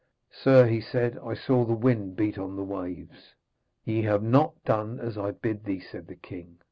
'Sir,' he said, 'I saw the wind beat on the waves.' 'Ye have not done as I bid thee,' said the king.